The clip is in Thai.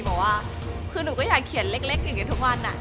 บอกว่าคือหนูก็อยากเขียนเล็กอย่างนี้ทุกวัน